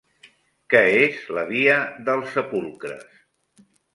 Què és la via dels Sepulcres?